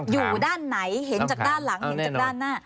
อยู่ด้านไหนเห็นจากด้านหลังเห็นจากด้านหน้า